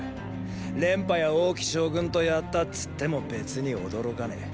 廉頗や王騎将軍と戦ったっつっても別に驚かねェ。